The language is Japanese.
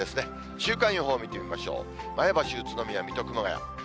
週間予報見てみましょう、前橋、宇都宮、水戸、熊谷。